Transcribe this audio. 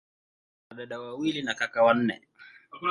Ana dada wawili na kaka wanne.